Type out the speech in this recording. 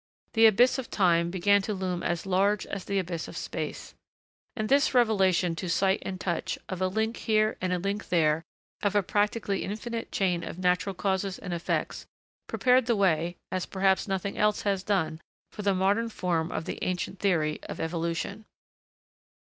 The abyss of time began to loom as large as the abyss of space. And this revelation to sight and touch, of a link here and a link there of a practically infinite chain of natural causes and effects, prepared the way, as perhaps nothing else has done, for the modern form of the ancient theory of evolution.